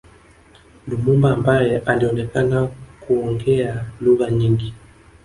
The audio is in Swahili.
Lumumba ambaye alionekana kuongea lugha nyingi